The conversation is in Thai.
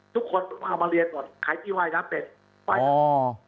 ทุกคนเอามาเรียนหมดขายที่ว่ายน้ำเป็น